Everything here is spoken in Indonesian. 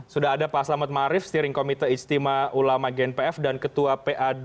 sudah ada pak selamat marif steering komite istimewa ulama gnpf dan ketua pa dua ratus